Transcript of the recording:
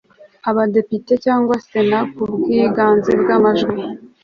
w Abadepite cyangwa Sena ku bwiganze bw amajwi